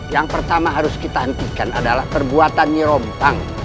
yang pertama harus kita hentikan adalah perbuatan nyirom pang